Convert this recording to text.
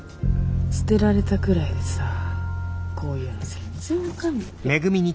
捨てられたくらいでさこういうの全然分かんない。